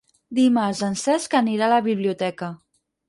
Dimarts en Cesc anirà a la biblioteca.